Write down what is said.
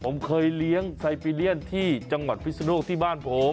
ผมเคยเลี้ยงไซปิเลียนที่จังหวัดพิศนุโลกที่บ้านผม